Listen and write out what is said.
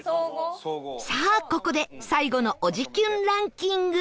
さあここで最後のおじキュンランキング